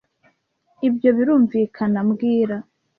Ibyo birumvikana mbwira